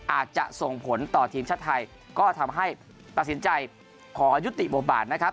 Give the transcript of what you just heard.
อาจจะส่งผลต่อทีมชาติไทยก็ทำให้ตัดสินใจขอยุติบทบาทนะครับ